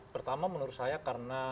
pertama menurut saya karena